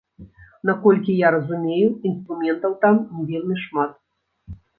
Наколькі я разумею, інструментаў там не вельмі шмат.